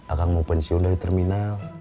akan mau pensiun dari terminal